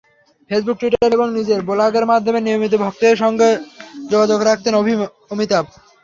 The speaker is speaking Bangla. ফেসবুক, টুইটার এবং নিজের ব্লগের মাধ্যমে নিয়মিত ভক্তদের সঙ্গে যোগাযোগ রাখেন অমিতাভ।